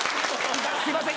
すいません